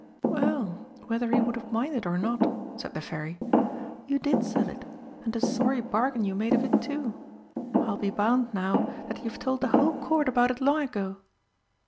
"Well, whether he would have minded or not," said the Fairy, "you did sell it and a sorry bargain you made of it, too! I'll be bound, now, that you've told the whole Court about it long ago!"